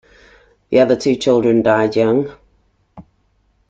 The other two children died young.